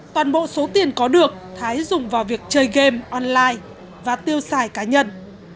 toàn bộ số tiền có được thái dùng vào việc chơi game online và tiêu xài cá nhân